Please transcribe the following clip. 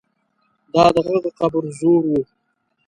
دا د هغه قبر زور وو.